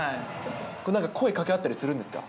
なんか声かけ合ったりするんですか？